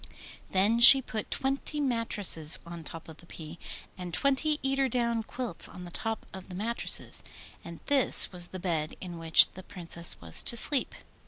Then she put twenty mattresses on top of the pea, and twenty eider down quilts on the top of the mattresses. And this was the bed in which the Princess was to sleep.